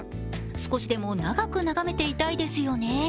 少しでも長く眺めていたいですよね。